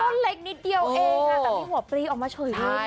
ต้นเล็กนิดเดียวเองค่ะแต่มีหัวปลีออกมาเฉยเลยค่ะ